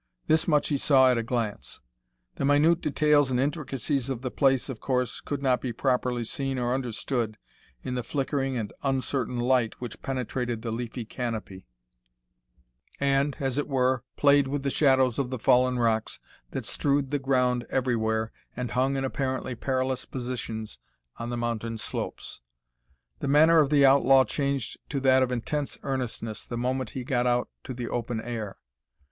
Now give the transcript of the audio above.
This much he saw at a glance. The minute details and intricacies of the place of course could not be properly seen or understood in the flickering and uncertain light which penetrated the leafy canopy, and, as it were, played with the shadows of the fallen rocks that strewed the ground everywhere, and hung in apparently perilous positions on the mountain slopes. The manner of the outlaw changed to that of intense earnestness the moment he got out to the open air.